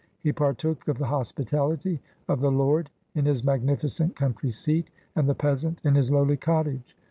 He partook of the hospitality of the lord in his magnificent country seat, and the peasant in his lowly cottage.